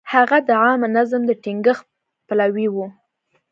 هغه د عامه نظم د ټینګښت پلوی و.